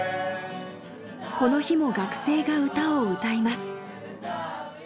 この日も学生が歌を歌います。